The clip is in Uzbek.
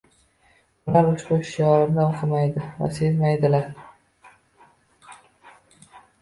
Ular ushbu shiorni o‘qimaydi va sezmaydilar ham.